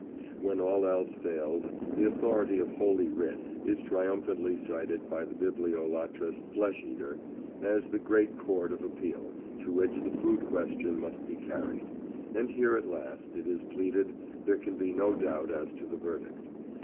When all else fails, the authority of Holy Writ is triumphantly cited by the bibliolatrous flesh eater as the great court of appeal to which the food question must be carried; and here at least, it is pleaded, there can be no doubt as to the verdict.